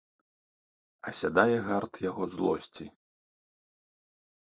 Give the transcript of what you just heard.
Асядае гарт яго злосці.